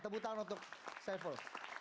tepuk tangan untuk saiful